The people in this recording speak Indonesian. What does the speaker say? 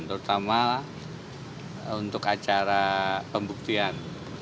terutama untuk acara pembuktian